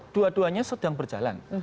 dua duanya sedang berjalan